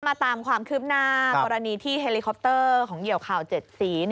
มาตามความคืบหน้ากรณีที่เฮลิคอปเตอร์ของเหยี่ยวข่าว๗สี